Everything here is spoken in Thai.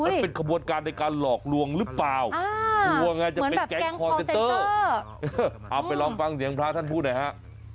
มันเป็นขบวนการในการหลอกลวงหรือเปล่าอ้าวเหมือนแบบแกงเอาไปลองฟังเสียงพระท่านพูดหน่อยฮะ